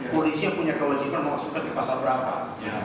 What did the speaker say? polisi yang punya kewajiban memasukkan di pasal berapa